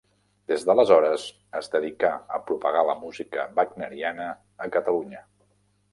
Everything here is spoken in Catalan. Des d'aleshores es dedicà a propagar la música wagneriana a Catalunya.